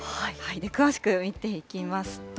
詳しく見ていきますと。